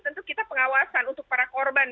tentu kita pengawasan untuk para korban